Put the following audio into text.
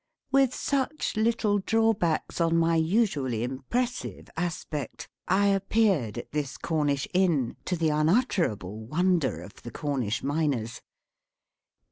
With such little drawbacks on my usually impressive aspect, I appeared at this Cornish Inn, to the unutterable wonder of the Cornish Miners.